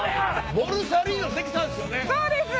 ボルサリーノ・関さんですよね？